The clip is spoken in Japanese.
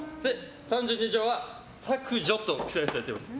３２条は削除と記載されています。